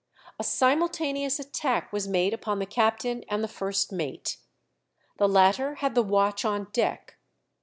A simultaneous attack was made upon the captain and the first mate. The latter had the watch on deck.